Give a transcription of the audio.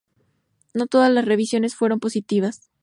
No todas las revisiones fueron positivas.